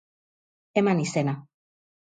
Eman izena.